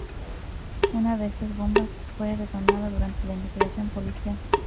Una de estas bombas fue detonada durante la investigación policial.